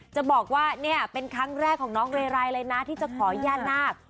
จะบอกว่าเนี่ยเป็นครั้งแรกของน้องเรไรเลยนะที่จะขอย่านาค